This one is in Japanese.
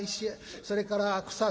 それから草津。